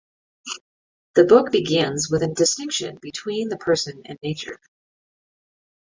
The book begins with a distinction between the person and nature.